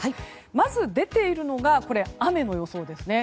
まず出ているのが雨の予想ですね。